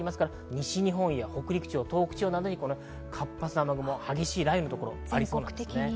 西日本や北陸地方、東北地方などに活発な雨雲、激しい雷雨の所がありそうです。